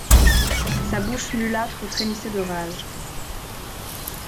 Sa bouche mulâtre frémissait de rage.